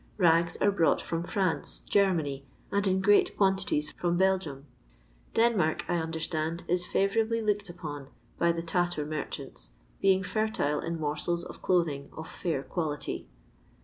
Rags are brought from Franee, Germany, and in great quantities from Belgium. Denmark, I understand, is fifivoorably looked upon by the tatter merchanu, being fertile in morsels of clothing, of Cair quality.